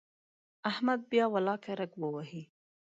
احمد بیا ولاکه رګ ووهي.